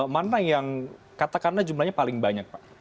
mana yang katakanlah jumlahnya paling banyak pak